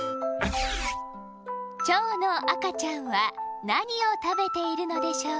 ちょうのあかちゃんはなにをたべているのでしょうか？